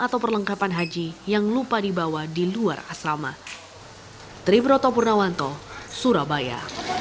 atau perlengkapan haji yang lupa dibawa di luar asrama